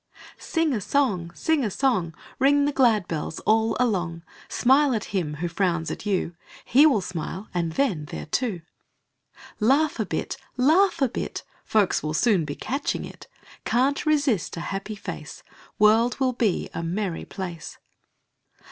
Sing a song, sing a song, Ring the glad bells all along; Smile at him who frowns at you, He will smile and then they're two. Laugh a bit, laugh a bit, Folks will soon be catching it, Can't resist a happy face; World will be a merry place.